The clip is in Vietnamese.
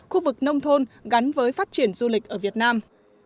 khu vực nông thôn gắn với phát triển du lịch ở việt nam